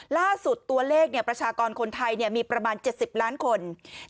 ล่าสุดตัวเลขประชากรคนไทยมีประมาณ๗๐ล้านคน